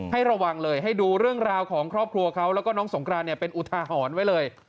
ให้ระวังเลยให้ดูเรื่องราวของครอบครัวเขาแล้วก็น้องสงครานเนี่ยเป็นอุทาหรณ์ไว้เลย